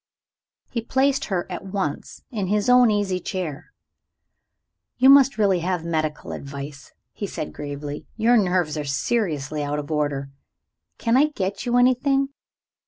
He placed her at once in his own easy chair. "You must really have medical advice," he said gravely; "your nerves are seriously out of order. Can I get you anything?"